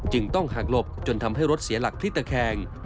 ต้องหักหลบจนทำให้รถเสียหลักพลิกตะแคง